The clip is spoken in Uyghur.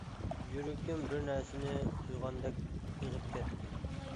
يۈرىكىم بىر نەرسىنى تۇيغاندەك ئېغىپ كەتتى.